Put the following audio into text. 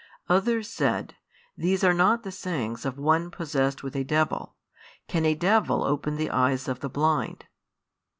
Others said, These are not the sayings of one possessed with a devil. Can a devil open the eyes of the blind?